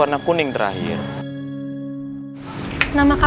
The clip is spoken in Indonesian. iya ini koper ya